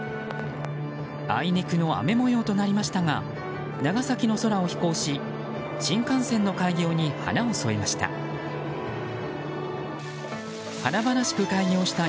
あいにくの雨模様となりましたが長崎の空を飛行し新幹線の開業に花を添えました。